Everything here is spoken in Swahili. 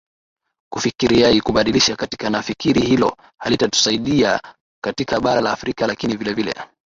kufikiriai kubadilisha katiba nafikiri hilo halitatusaidia katika bara la afrika lakini vile vile